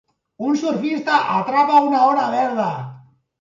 Un surfista atrapa una ona verda.